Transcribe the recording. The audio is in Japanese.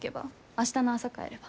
明日の朝帰れば？